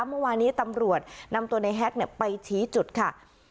เมื่อวานี้ตำรวจนำตัวในแฮกไปชี้จุดค่ะ